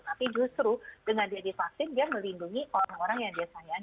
tapi justru dengan dia divaksin dia melindungi orang orang yang dia sayangi